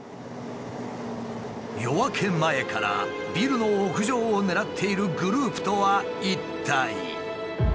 夜明け前からビルの屋上を狙っているグループとは一体。